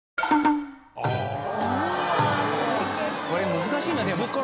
これ難しいなでも。